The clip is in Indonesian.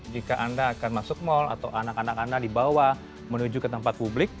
jika anda akan masuk mal atau anak anak anda dibawa menuju ke tempat publik